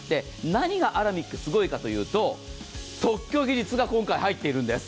何がアラミックすごいかというと、特許技術が今回、入っているんです